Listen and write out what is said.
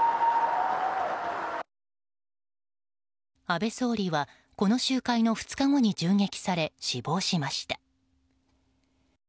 安倍総理はこの集会の２日後に銃撃され死亡しました。